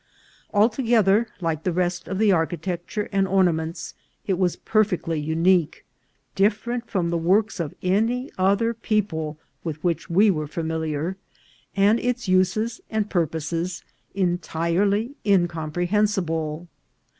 Altogether, like the rest of the architecture and ornaments, it was perfectly unique, different from the works of any other people with which we were familiar, and its uses and purposes entirely incomprehensible.